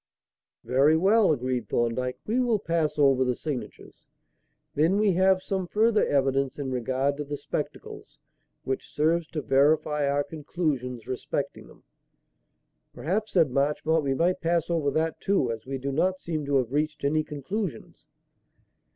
"Very well," agreed Thorndyke; "we will pass over the signatures. Then we have some further evidence in regard to the spectacles, which serves to verify our conclusions respecting them." "Perhaps," said Marchmont, "we might pass over that, too, as we do not seem to have reached any conclusions."